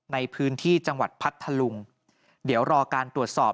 ในพื้นที่จังหวัดพัทธลุงเดี๋ยวรอการตรวจสอบ